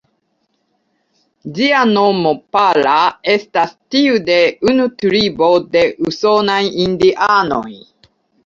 Ĝia nomo ""Pala"", estas tiu de unu tribo de usonaj indianoj.